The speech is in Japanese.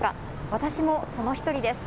私もその１人です。